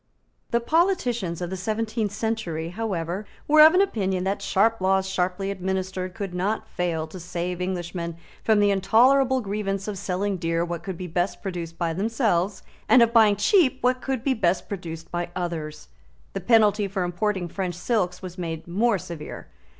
The politicians of the seventeenth century, however, were of opinion that sharp laws sharply administered could not fail to save Englishmen from the intolerable grievance of selling dear what could be best produced by themselves, and of buying cheap what could be best produced by others. The penalty for importing French silks was made more severe.